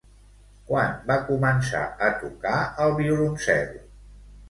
Quan va començar a tocar el violoncel?